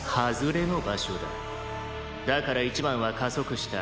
「だから１番は加速した」